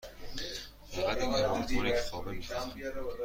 فقط یک آپارتمان یک خوابه می خواهم.